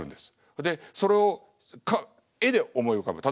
それでそれを絵で思い浮かべる。